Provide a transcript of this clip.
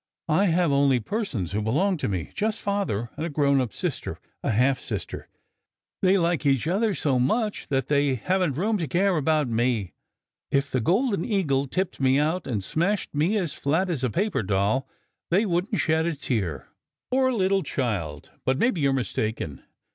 I have only persons who belong to me just Father and a grown up sister a half sister. They like each other so much that they haven t room to care about me. If the Golden Eagle tipped me out, and smashed me as flat as a paper doll, they wouldn t shed a tear." " Poor little child ! But maybe you re mistaken.